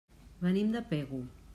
Venim de Pego.